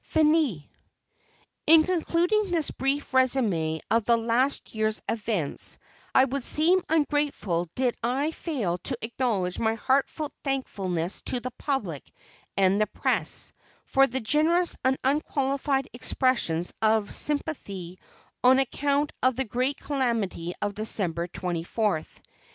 FINIS. In concluding this brief resumé of the last year's events, I would seem ungrateful did I fail to acknowledge my heartfelt thankfulness to the public and the press, for the generous and unqualified expressions of sympathy on account of the great calamity of December 24th.